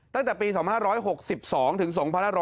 ตั้งแต่ปี๒๕๖๒ถึง๒๕๖๐